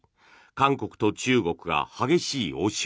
韓国と中国が激しい応酬。